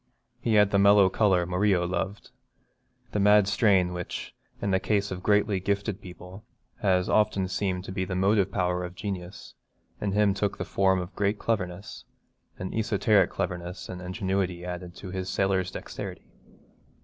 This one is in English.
He had the mellow colour Murillo loved. The mad strain which, in the case of greatly gifted people, has often seemed to be the motive power of genius, in him took the form of a great cleverness, an esoteric cleverness and ingenuity added to the sailor's dexterity.